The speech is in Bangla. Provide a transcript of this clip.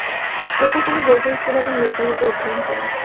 এরপর তিনি বোল্টন স্কুল এবং লেই কলেজে অধ্যয়ন করেন।